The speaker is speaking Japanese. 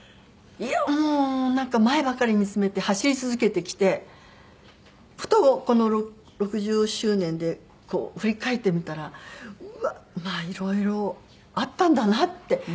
いやもうなんか前ばっかり見つめて走り続けてきてふとこの６０周年で振り返ってみたらうーわまあ色々あったんだなって。